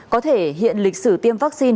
có thể hiện lịch sử tiêm vắc